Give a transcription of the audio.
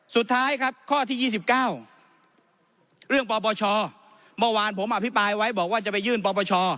สุดท้ายครับข้อที่๒๙เรื่องปปชเมื่อวานผมอภิปรายไว้บอกว่าจะไปยื่นปปช